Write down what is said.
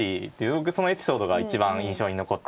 僕そのエピソードが一番印象に残ってて。